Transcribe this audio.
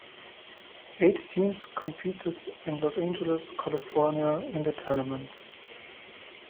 Eight teams competed in Los Angeles, California in the tournament.